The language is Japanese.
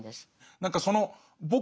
何かその「僕は」